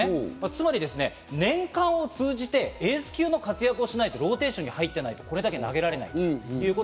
つまり年間を通じてエース級の活躍をしないとローテーションに入っていかないとこれだけ投げられない。